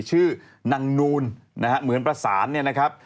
ชื่อนางนูนนะฮะเหมือนประสานเนี่ยนะครับ